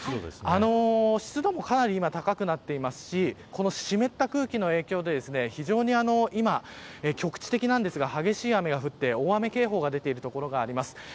湿度もだいぶ高くなっていますしこの湿った空気の影響で局地的ですが激しい雨が降って大雨警報が出ている所があります。